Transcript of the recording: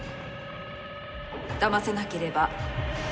だませなければ。